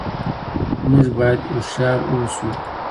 موږ بايد هوښيار اوسو.